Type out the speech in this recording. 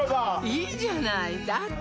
いいじゃないだって